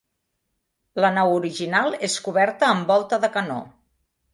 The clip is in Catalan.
La nau original és coberta amb volta de canó.